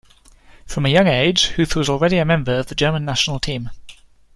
From a young age, Huth was already a member of the German national team.